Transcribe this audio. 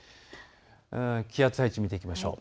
気圧配置を見ていきましょう。